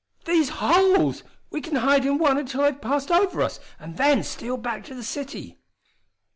"These holes! We can hide in one until they've passed over us, and then steal back to the city!"